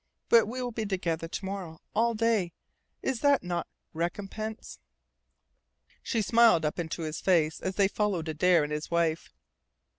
But we will be together to morrow. All day. Is that not recompense?" She smiled up into his face as they followed Adare and his wife.